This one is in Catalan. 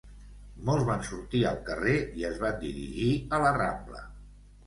Molts van sortir al carrer i es van dirigir a La Rambla.